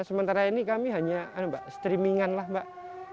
sementara ini kami hanya mbak streamingan lah mbak